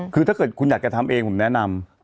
คือถ้าเกิดคุณอยากจะทำเองผมแนะนำ